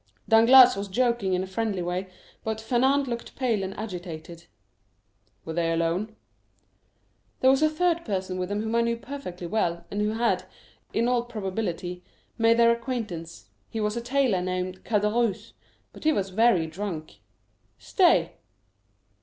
Danglars was joking in a friendly way, but Fernand looked pale and agitated." "Were they alone?" "There was a third person with them whom I knew perfectly well, and who had, in all probability made their acquaintance; he was a tailor named Caderousse, but he was very drunk. Stay!